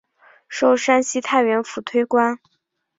授山西太原府推官。